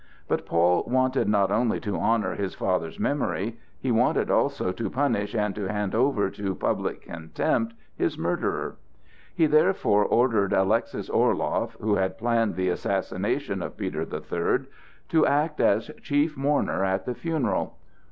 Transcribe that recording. But Paul wanted not only to honor his father's memory; he wanted also to punish and to hand over to public contempt his murderer. He therefore ordered Alexis Orloff, who had planned the assassination of Peter the Third, to act as chief mourner at the funeral.